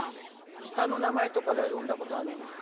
下の名前とかではよんだことあるんですか？